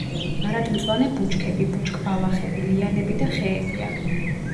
მარადმწვანე ბუჩქები, ბუჩქბალახები, ლიანები და ხეებია.